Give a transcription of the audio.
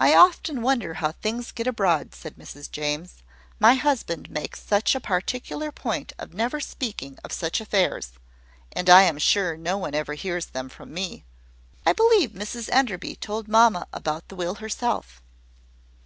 "I often wonder how things get abroad," said Mrs James, "My husband makes such a particular point of never speaking of such affairs; and I am sure no one ever hears them from me." "I believe Mrs Enderby told mamma that about the will herself."